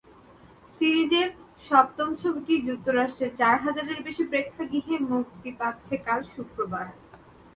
সিরিজের সপ্তম ছবিটি যুক্তরাষ্ট্রের চার হাজারের বেশি প্রেক্ষাগৃহে মুক্তি পাচ্ছে কাল শুক্রবার।